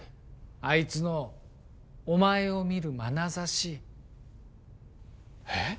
あいつのお前を見るまなざしええっ？